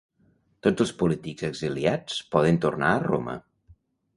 Tots els polítics exiliats poden tornar a Roma.